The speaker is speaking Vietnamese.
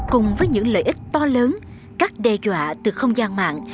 cùng với những lợi ích to lớn các đe dọa từ không gian mạng